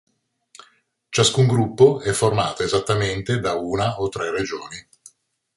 Ciascun gruppo è formato esattamente da una o tre regioni.